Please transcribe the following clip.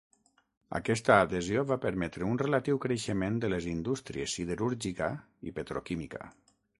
Aquesta adhesió va permetre un relatiu creixement de les indústries siderúrgica i petroquímica.